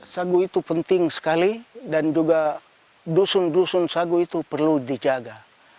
sagu itu penting sekali dan juga dusun dusun sagu itu perlu dijaga